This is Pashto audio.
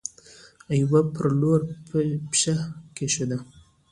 يوه پر لور پښه کيښوده.